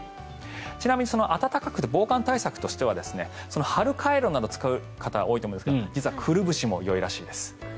ちなみに防寒対策としては貼るカイロなどを使う人が多いと思いますがくるぶしもいいらしいです。